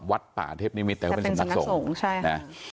วัดป่าเทพนิมิตแต่เป็นสำนักส่งใช่ฮะ